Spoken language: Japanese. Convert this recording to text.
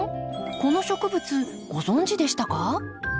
この植物ご存じでしたか？